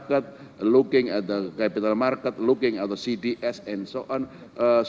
melihat pasar kapital melihat cds dan sebagainya